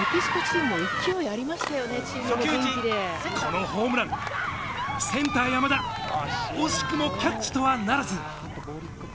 このホームランセンター、山田惜しくもキャッチとはならず。